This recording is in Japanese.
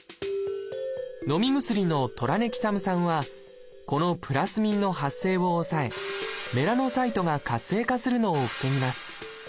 のみ薬の「トラネキサム酸」はこのプラスミンの発生を抑えメラノサイトが活性化するのを防ぎます。